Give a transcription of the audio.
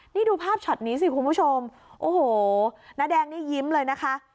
นี่ดูภาพช็อตนี้สิคุณผู้ชมโอ้โหน้าแดงนี่ยิ้มเลยนะคะ